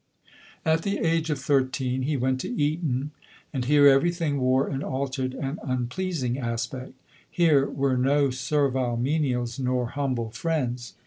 At the age of thirteen he went to Eton, and here every thing wore an altered and mi pleasing aspect. Here were no servile menials nor humble friends.